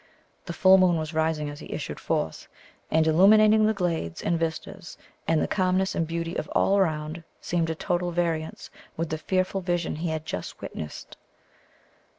The full moon was rising as he issued forth, and illuminating the glades and vistas, and the calmness and beauty of all around seemed at total variance with the fearful vision he had just witnessed.